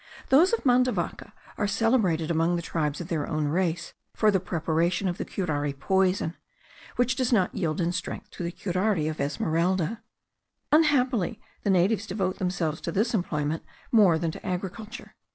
Those of Mandavaca are celebrated among the tribes of their own race for the preparation of the curare poison, which does not yield in strength to the curare of Esmeralda. Unhappily the natives devote themselves to this employment more than to agriculture.